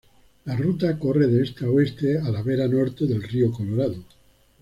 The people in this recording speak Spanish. La ruta corre de este a oeste a la vera norte del Río Colorado.